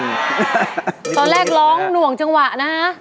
ตอนแรกร้องหน่วงจังหวะนะฮะ